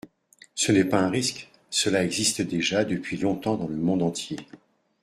Ce n’est pas un risque : cela existe déjà, depuis longtemps, dans le monde entier.